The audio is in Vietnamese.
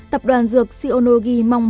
tập đoàn dược xionogi mong bảo